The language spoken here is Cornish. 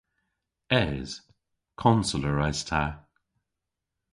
Es. Konseler es ta.